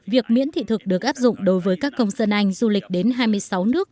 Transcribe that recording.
việc miễn thị thực được áp dụng đối với các công dân anh du lịch đến hai mươi sáu nước